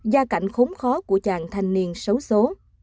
gia cảnh khốn khó của chàng thanh niên xấu xố